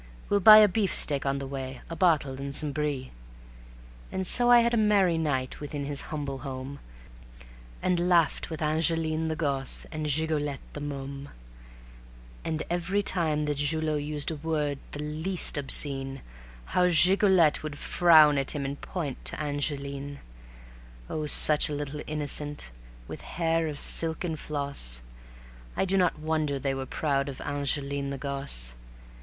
We'll buy a beefsteak on the way, a bottle and some brie." And so I had a merry night within his humble home, And laughed with Angeline the gosse and Gigolette the môme. And every time that Julot used a word the least obscene, How Gigolette would frown at him and point to Angeline: Oh, such a little innocent, with hair of silken floss, I do not wonder they were proud of Angeline the gosse.